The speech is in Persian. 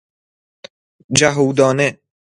جهودانه